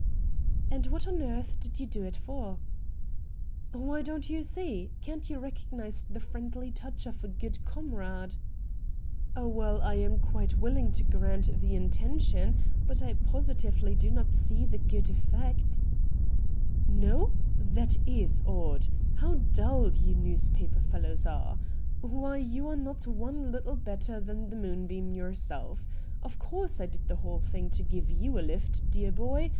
' And what on earth did you do it for ?'' Why, don't you see ? Can't you recognise the friendly touch of a good comrade ?'' Well, 1 am quite willing to grant the in tention — but I positively do not see the good effect; ' Xo ? That is odd ! How dull you news paper fellows are I — Why you are not one little bit better than the " Moonbeam " yourself. Of course I did the whole thing to give you a lift, dear boy